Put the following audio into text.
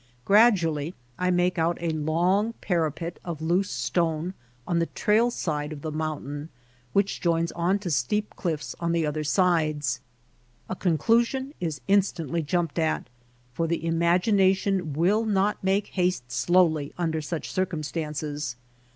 Gradually I make out a long parapet of loose stone on the trail side of the mountain which THE APPROACH 9 joins on to steep cliffs on the other sides. A conclusion is instantly jumped at, for the im agination will not make haste slowly under such circumstances.